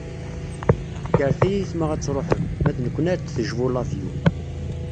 Kkret ay ayetma ad truḥem, ma d nekkni ad d-tejbu lavyu.